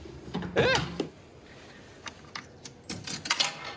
えっ！？